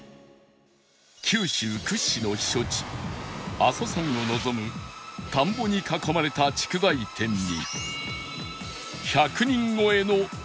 九州屈指の避暑地阿蘇山を望む田んぼに囲まれた竹材店に